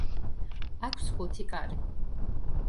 აქვს ხუთი კარი.